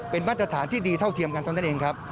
เป็นมาตรฐานที่ดีเท่าเทียมกันเท่านั้นเองครับ